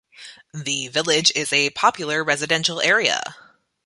The village is a popular residential area.